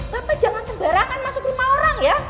bapak jangan sembarangan masuk rumah orang ya